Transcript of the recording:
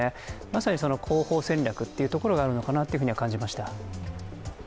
まさに広報戦略というところがあるのかなと感じました。